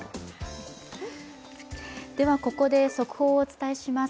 ここで速報をお伝えします。